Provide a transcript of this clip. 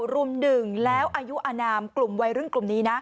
รุมหนึ่งแล้วอายุอนามกลุ่มวัยรุ่นกลุ่มนี้นะ